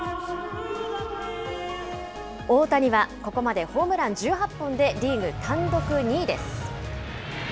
大谷はここまでホームラン１８本でリーグ単独２位です。